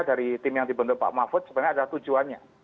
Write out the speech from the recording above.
dari tim yang dibentuk pak mahfud sebenarnya ada tujuannya